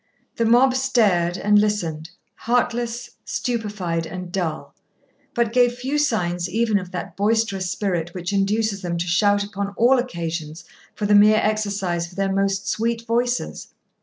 The mob stared and listened, heartless, stupefied, and dull, but gave few signs even of that boisterous spirit which induces them to shout upon all occasions for the mere exercise of their most sweet voices.